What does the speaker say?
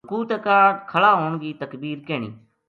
رکوع تے کاہڈ کھلا ہون کی تکبیر کہنی۔